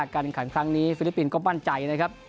การแข่งขันครั้งนี้ฟิลิปปินส์ก็มั่นใจนะครับ